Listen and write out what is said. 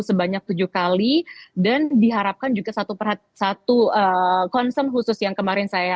sebanyak tujuh kali dan diharapkan juga satu perhatian satu konsum khusus yang kemarin saya